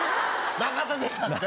なかったでしたっけ？